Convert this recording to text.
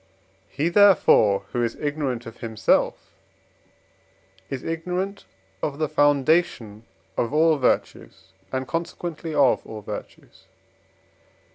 He, therefore, who is ignorant of himself, is ignorant of the foundation of all virtues, and consequently of all virtues.